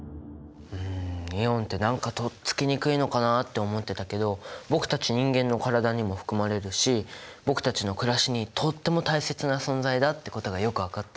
イオンって何かとっつきにくいのかなって思ってたけど僕たち人間の体にも含まれるし僕たちの暮らしにとっても大切な存在だってことがよく分かった。